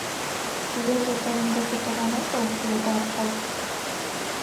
— Тугеже тый ынде хуторян отыл? — йодо апшат.